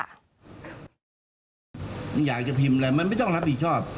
ก็มันคิดว่าพวกมันไม่แต่โสดกันเองเลย